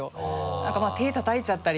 なんか手をたたいちゃったり。